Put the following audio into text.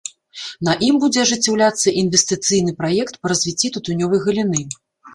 На ім будзе ажыццяўляцца інвестыцыйны праект па развіцці тытунёвай галіны.